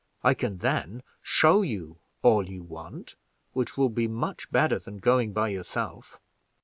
I can then show you all you want, which will be much better than going by yourself."